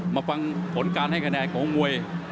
มาฟังผลการให้คะแนนของมวย